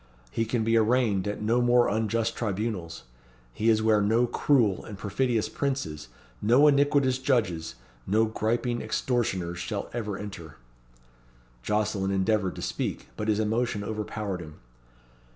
He can be arraigned at no more unjust tribunals. He is where no cruel and perfidious princes, no iniquitous judges, no griping extortioners shall ever enter." Jocelyn endeavoured to speak, but his emotion overpowered him.